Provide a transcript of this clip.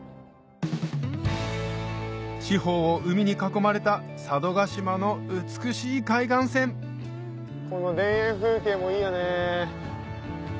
四方を海に囲まれた佐渡島の美しい海岸線この田園風景もいいよね。